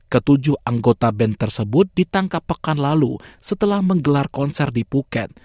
ketujuh anggota band tersebut ditangkap pekan lalu setelah menggelar konser di puket